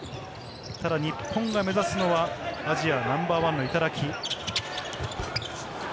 ただ日本が目指すのはアジアナンバーワンの頂。